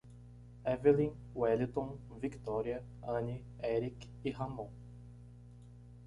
Évelyn, Welliton, Victória, Anne, Eric e Ramom